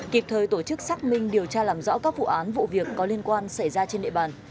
kịp thời tổ chức xác minh điều tra làm rõ các vụ án vụ việc có liên quan xảy ra trên địa bàn